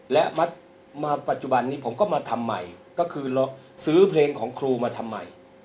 และมาปัจจุบันนี้ผมก็มาทำใหม่ก็คือซื้อเพลงของครูมาทำไม